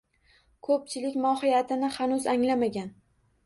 Ko‘pchilik mohiyatini hanuz anglamagan.